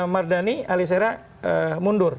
mardhani alisera mundur